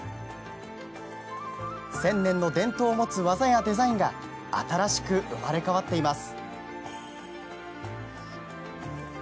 １０００年の伝統を持つ技やデザインが新しく生まれ変わっています。